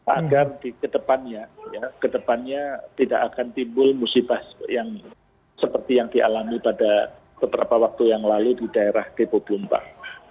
agar ke depannya tidak akan timbul musibah seperti yang dialami pada beberapa waktu yang lalu di daerah kepo bumpah